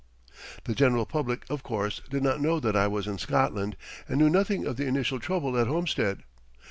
The general public, of course, did not know that I was in Scotland and knew nothing of the initial trouble at Homestead.